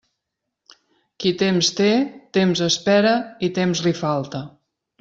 Qui temps té, temps espera i temps li falta.